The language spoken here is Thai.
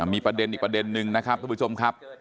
มีประเด็นอีกประเด็นนึงนะครับทุกผู้ชมครับ